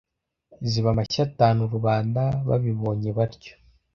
ziba amashyo atanu rubanda babibonye batyo,